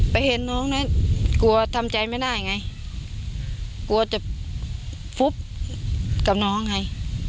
เห็นน้องนะกลัวทำใจไม่ได้ไงกลัวจะฟุบกับน้องไง